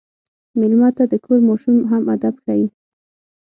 مېلمه ته د کور ماشوم هم ادب ښيي.